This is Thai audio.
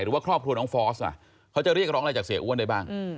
หรือว่าครอบครัวน้องฟอสเขาจะเรียกร้องอะไรจากเสียอ้วนได้บ้าง